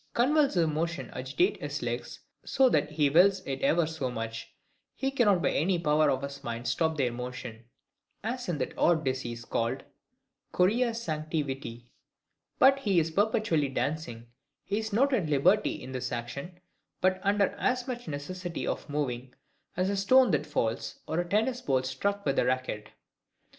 Convulsive motions agitate his legs, so that though he wills it ever so much, he cannot by any power of his mind stop their motion, (as in that odd disease called chorea sancti viti), but he is perpetually dancing; he is not at liberty in this action, but under as much necessity of moving, as a stone that falls, or a tennis ball struck with a racket.